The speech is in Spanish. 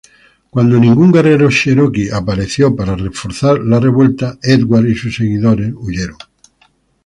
Cuando ningún guerrero Cheroqui apareció para reforzar la revuelta, Edwards y sus seguidores huyeron.